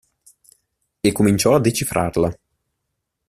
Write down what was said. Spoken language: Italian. E cominciò a decifrarla.